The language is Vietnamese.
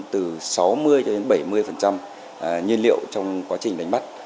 từ sáu mươi bảy mươi nhiên liệu trong quá trình đánh bắt